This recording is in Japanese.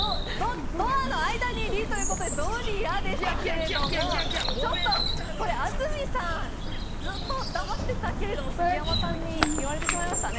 ドアの間に「り」ということでドリアでしたがちょっと、これ、安住さん、ずっと黙っていたけれども、杉山さんに言われてしまいましたね。